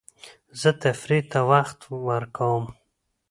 زه تفریح ته هم وخت ورکوم.